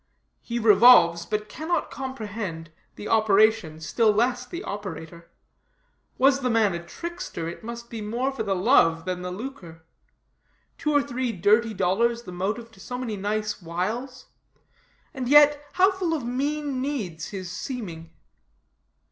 He revolves, but cannot comprehend, the operation, still less the operator. Was the man a trickster, it must be more for the love than the lucre. Two or three dirty dollars the motive to so many nice wiles? And yet how full of mean needs his seeming.